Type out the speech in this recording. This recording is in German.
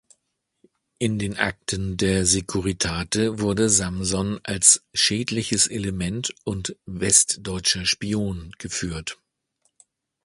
In den Akten der Securitate wurde Samson als „schädliches Element“ und „westdeutscher Spion“ geführt.